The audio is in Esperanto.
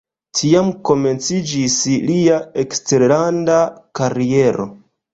Tiam komenciĝis lia eksterlanda kariero.